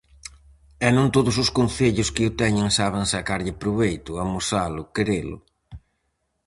E non todos os concellos que o teñen saben sacarlle proveito, amosalo, querelo.